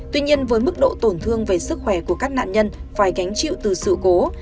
tuy nhiên với mức độ tổn thương về sức khỏe của các nạn nhân phải gánh chịu từ sự cố